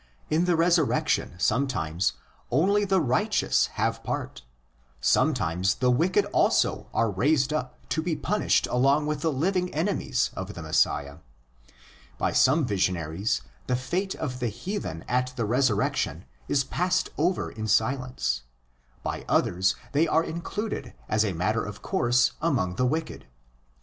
In the resurrection sometimes only the righteous have part; sometimes the wicked also are raised up to be punished along with the living enemies of the Messiah. By some visionaries the fate of the heathen at the resurrection is passed over in silence; by others they are included as a matter of course among the "wicked."